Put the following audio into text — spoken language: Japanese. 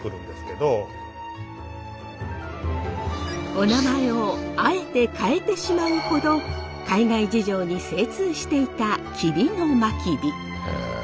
おなまえをあえて変えてしまうほど海外事情に精通していた吉備真備。